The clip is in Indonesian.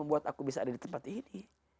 membuat aku bisa ada di tempat ini